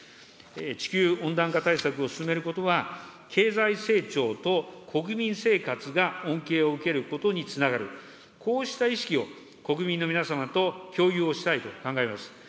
地球温暖化対策を進めることは、経済成長と国民生活が恩恵を受けることにつながる、こうした意識を国民の皆様と共有をしたいと考えます。